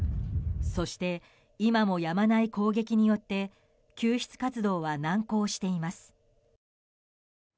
そして今もやまない攻撃によって救出活動は難航しています。